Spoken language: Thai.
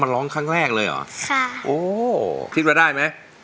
ถ้าไม่กล้าเราก็ไม่รู้ว่าเราจะทำได้ไหม